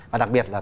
và đặc biệt là